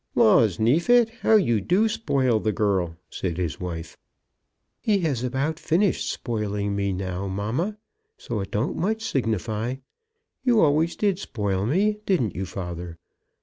"Laws, Neefit, how you do spoil the girl!" said his wife. "He has about finished spoiling me now, mamma; so it don't much signify. You always did spoil me; didn't you, father?"